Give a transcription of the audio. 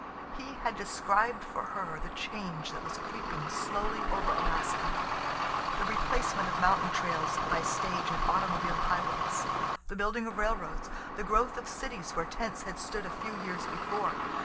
He had described for her the change that was creeping slowly over Alaska, the replacement of mountain trails by stage and automobile highways, the building of railroads, the growth of cities where tents had stood a few years before.